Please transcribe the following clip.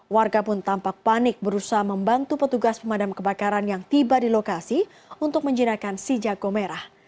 warga pun tampak panik berusaha membantu petugas pemadam kebakaran yang tiba di lokasi untuk menjinakan si jago merah